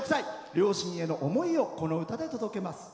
両親への思いをこの歌で届けます。